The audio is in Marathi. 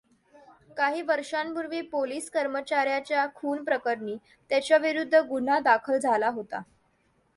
काही वर्षांपूर्वी पोलीस कर्मचार् याच्या खूनप्रकरणी त्याच्याविरुद्ध गुन्हा दाखल झाला होता.